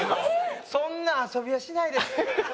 そんな遊びはしないですって。